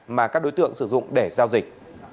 mà các đối tượng sử dụng để giao dịch